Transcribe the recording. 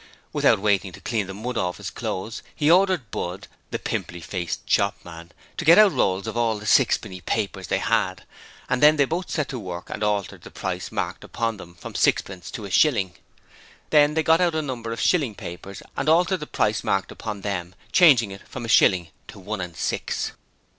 Without waiting to clean the mud off his clothes, he ordered Budd, the pimply faced shopman, to get out rolls of all the sixpenny papers they had, and then they both set to work and altered the price marked upon them from sixpence to a shilling. Then they got out a number of shilling papers and altered the price marked upon them, changing it from a shilling to one and six.